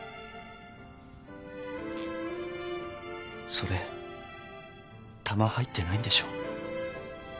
それ弾入ってないんでしょ？